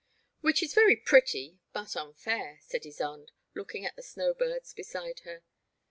'Which is very pretty but unfair, said Ysonde, looking at the snow birds beside her.